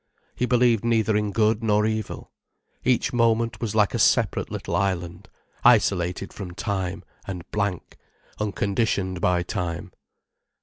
He believed neither in good nor evil. Each moment was like a separate little island, isolated from time, and blank, unconditioned by time.